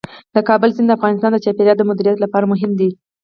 د کابل سیند د افغانستان د چاپیریال د مدیریت لپاره مهم دی.